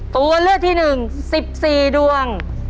ตัวเลือกที่๑๑๔ดวง